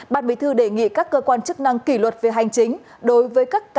ban bí thư đề nghị các cơ quan chức năng kỷ luật về hành chính đối với các